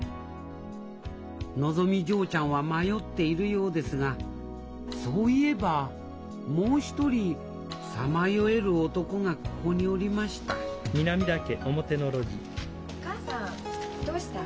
のぞみ嬢ちゃんは迷っているようですがそういえばもう一人さまよえる男がここにおりましたお母さんどうした？